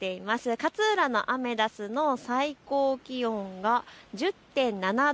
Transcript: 勝浦のアメダスの最高気温が１０．７度。